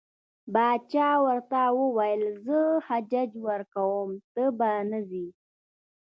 باچا ورته وویل زه ججه ورکوم ته به نه ځې.